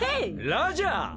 ラジャー。